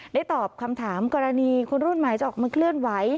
ตอบคำถามกรณีคนรุ่นใหม่จะออกมาเคลื่อนไหว